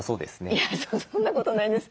いやそんなことないんです。